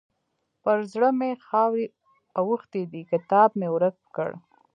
پر زړه مې خاورې اوښتې دي؛ کتاب مې ورک کړ.